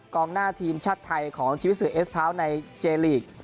กองหน้าทีมชาติไทยของชีวิตศือเอสพราว์ตในเจรีกต์